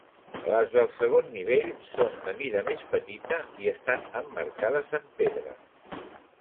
Les del segon nivell són de mida més petita i estan emmarcades en pedra.